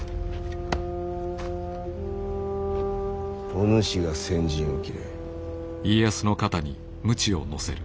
お主が先陣を切れ。